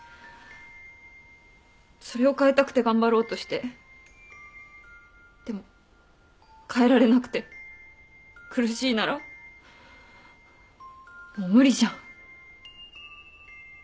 それを変えたくて頑張ろうとしてでも変えられなくて苦しいならもう無理じゃん。